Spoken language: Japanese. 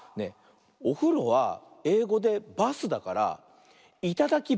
おふろはえいごで「バス」だから「いただきバス」ってどう？